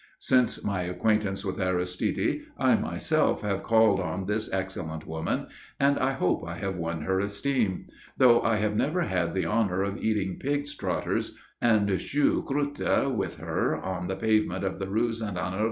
Since my acquaintance with Aristide I myself have called on this excellent woman, and I hope I have won her esteem, though I have never had the honour of eating pig's trotters and chou croûte with her on the pavement of the Rue Saint Honoré.